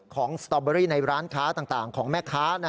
สตอเบอรี่ในร้านค้าต่างของแม่ค้า